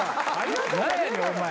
何やねんお前。